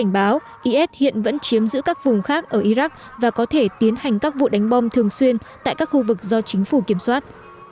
cảnh báo is hiện vẫn chiếm giữ các vùng khác ở iraq và có thể tiến hành các vụ đánh bom thường xuyên tại các khu vực do chính phủ kiểm soát